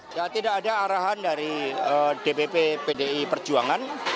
ya tidak ada arahan dari dpp pdi perjuangan